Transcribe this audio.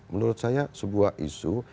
menurut saya sebuah isu